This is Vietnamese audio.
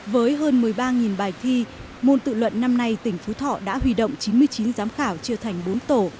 với hơn một mươi ba bài thi môn tự luận năm nay tỉnh phú thọ đã huy động chín mươi chín giám khảo chia thành bốn tổ